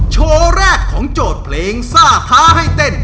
โชว์แรกของโจทย์เพลงซ่าท้าให้เต้น